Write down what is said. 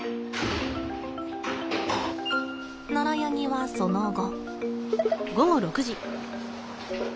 ナラヤニはその後。